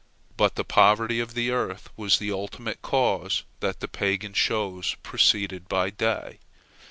But the poverty of the earth was the ultimate cause that the Pagan shows proceeded by day.